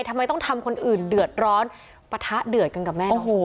ทำไมต้องทำคนอื่นเดือดร้อนปะทะเดือดกันกับแม่น้อง